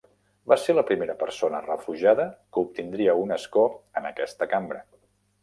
Va ser la primera persona refugiada que obtindria un escó en aquesta cambra.